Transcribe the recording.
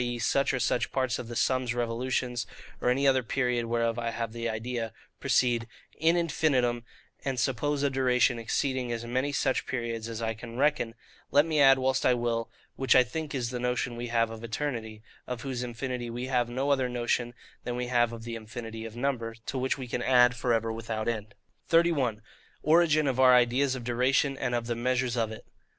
e. such or such parts of the sun's revolutions, or any other period whereof I have the idea) proceed IN INFINITUM, and suppose a duration exceeding as many such periods as I can reckon, let me add whilst I will, which I think is the notion we have of eternity; of whose infinity we have no other notion than we have of the infinity of number, to which we can add for ever without end. 31. Origin of our Ideas of Duration, and of the measures of it.